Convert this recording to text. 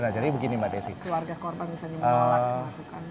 jadi begini mbak desy keluarga korban bisa dimengolak dan melakukan